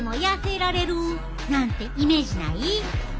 なんてイメージない？